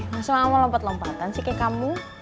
masa mama lompat lompatan sih kayak kamu